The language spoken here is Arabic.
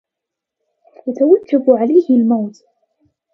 يتوجب عليه الموت